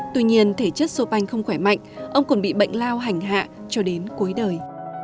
tuy nhiên thể chất chonh không khỏe mạnh ông còn bị bệnh lao hành hạ cho đến cuối đời